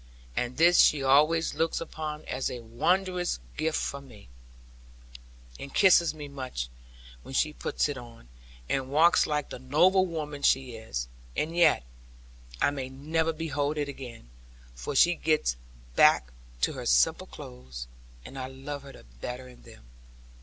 And this she always looks upon as a wondrous gift from me; and kisses me much when she puts it on, and walks like the noble woman she is. And yet I may never behold it again; for she gets back to her simple clothes, and I love her the better in them.